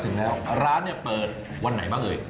ถึงแล้วร้านเนี่ยเปิดวันไหนบ้างเอ่ย